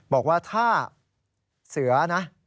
บอกว่าถ้าเสือนะ